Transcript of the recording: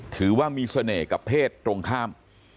ถือว่ามีเสน่ห์กับเพศตรงข้าม